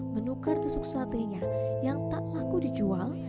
menukar tusuk satenya yang tak laku dijual